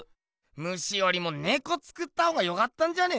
ムシよりもネコ作ったほうがよかったんじゃねえの？